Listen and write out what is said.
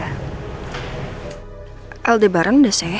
dan aku juga lagi hamil kan kayaknya sih udah enggak